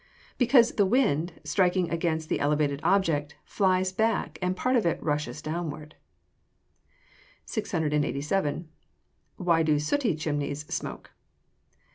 _ Because the wind, striking against the elevated object, flies back, and a part of it rushes downward. 687. _Why do sooty chimneys smoke?